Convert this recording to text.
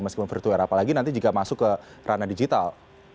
meskipun virtual apalagi nanti jika masuk ke ranah digital